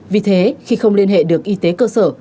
vì thế khi không liên hệ được y tế cơ sở